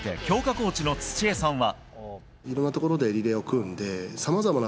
コーチの土江さんは。